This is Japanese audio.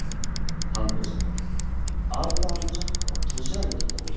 犯行時にはアウターのチャックは閉じられていたことになる。